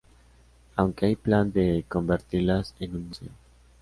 Aunque hay plan de convertirlas en un museo.